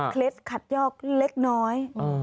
เคล็ดขัดยอกเล็กน้อย